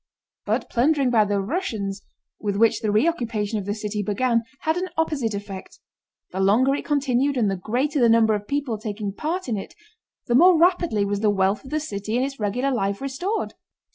But plundering by the Russians, with which the reoccupation of the city began, had an opposite effect: the longer it continued and the greater the number of people taking part in it the more rapidly was the wealth of the city and its regular life restored.